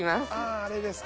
ああれですか。